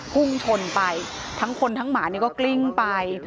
พุ่งชนไปทั้งคนทั้งหมานี่ก็กลิ้งไป